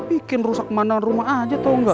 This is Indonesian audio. bikin rusak kemandangan rumah aja tau gak